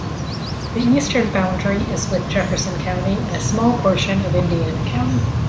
The eastern boundary is with Jefferson County and a small portion of Indiana County.